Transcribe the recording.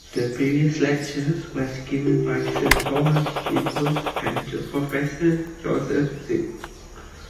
The previous lectures were given by Sir Thomas Kibble and Professor Joseph Silk.